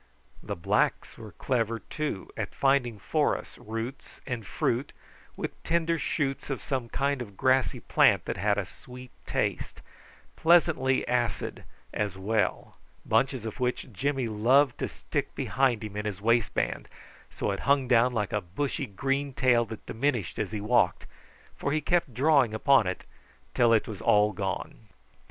The blacks were clever, too, at finding for us roots and fruit, with tender shoots of some kind of grassy plant that had a sweet taste, pleasantly acid as well, bunches of which Jimmy loved to stick behind him in his waistband so that it hung down like a bushy green tail that diminished as he walked, for he kept drawing upon it till it all was gone.